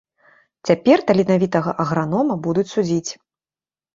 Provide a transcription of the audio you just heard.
Цяпер таленавітага агранома будуць судзіць.